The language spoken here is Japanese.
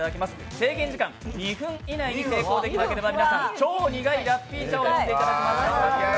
制限時間２分以内に成功できなければ超苦いラッピー茶を飲んでいただきます。